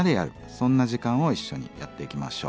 そんな時間を一緒にやっていきましょう。